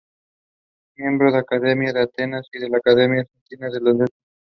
Miembro de la Academia de Atenas y de la Academia Argentina de las Letras.